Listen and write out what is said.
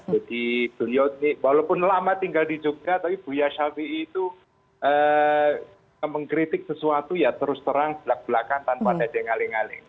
jadi dunia ini walaupun lama tinggal di jogja tapi buya syafiee itu mengkritik sesuatu ya terus terang belak belakan tanpa ada yang ngaling ngaling